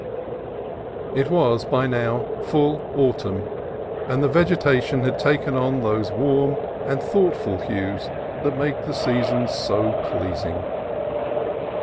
It was by now full autumn, and the vegetation had taken on those warm and thoughtful hues that make the season so pleasing.